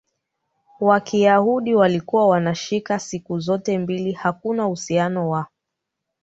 wa Kiyahudi walikuwa wanashika siku zote mbili Hakuna uhusiano wa